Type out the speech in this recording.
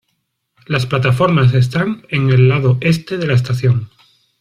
Las plataformas están en el lado este de la estación.